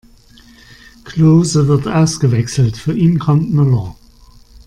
Klose wird ausgewechselt, für ihn kommt Müller.